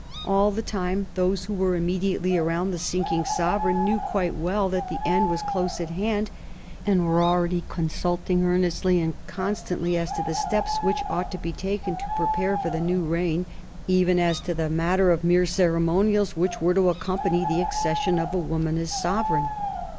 All the time those who were immediately around the sinking sovereign knew quite well that the end was close at hand, and were already consulting earnestly and constantly as to the steps which ought to be taken to prepare for the new reign, even as to the matter of mere ceremonials which were to accompany the accession of a woman as sovereign.